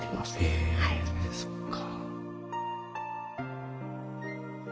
へえそっか。